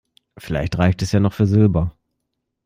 Vielleicht reicht es ja noch für Silber.